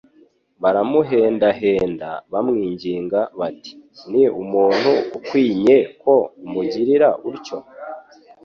Baramuhendahenda bamwinginga bati : «Ni umuntu ukwinye ko umugirira utyo